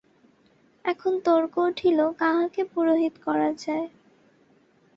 এখন তর্ক উঠিল, কাহাকে পুরোহিত করা যায়।